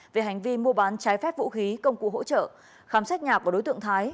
về hành vi mua bán trái phép vũ khí công cụ hỗ trợ khám xét nhà của đối tượng thái